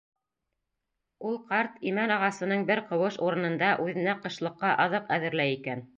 Ул ҡарт имән ағасының бер ҡыуыш урынында үҙенә ҡышлыҡҡа аҙыҡ әҙерләй икән.